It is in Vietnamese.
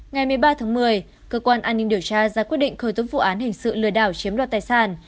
ngày một mươi ba tháng một mươi cơ quan an ninh điều tra ra quyết định khởi tố vụ án hình sự lừa đảo chiếm đoạt tài sản